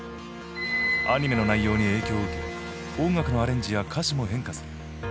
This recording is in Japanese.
アニメの内容に影響を受け音楽のアレンジや歌詞も変化する。